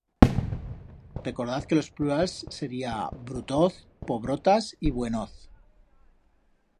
Recordaz que los plurals sería brutoz, pobrotas y buenoz.